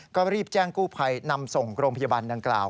ก็รีบแจ้งกู้ภัยนำส่งโรงพยาบาลดังกล่าว